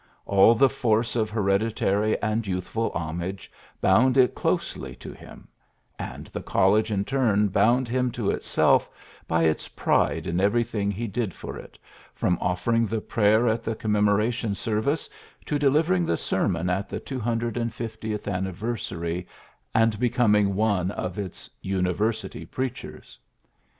All the force of hereditary and youthful homage bound it closely to him ; and the college in turn bound him to itself by its pride in everything he did for it, from offering the prayer at the Commemoration service to deliver ing the sermon at the two hundred and PHILLIPS BROOKS 73 fiftieth anniversary and becoming one of its ^^ University Preachers."